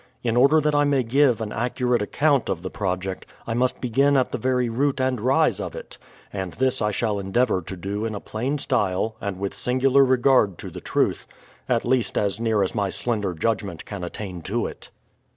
In order that I may give an accurate ac count of the project, I must begin at the very root and rise of it; and this I shall endeavour to do in a plain style and with singular regard to the truth, — at least as near as my slender judgment can attain to it.